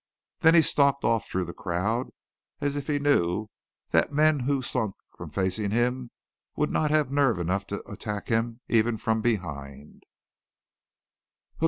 Then he stalked off through the crowd as if he knew that men who slunk from facing him would not have nerve enough to attack him even from behind.